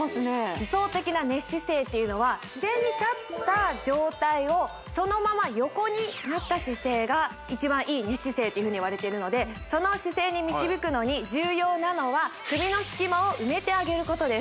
理想的な寝姿勢っていうのは自然に立った状態をそのまま横になった姿勢が一番いい寝姿勢というふうにいわれてるのでその姿勢に導くのに重要なのは首の隙間を埋めてあげることです